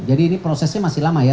jadi ini prosesnya masih lama ya